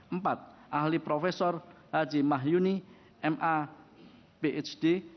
empat ahli profesor haji mahyuni ma phd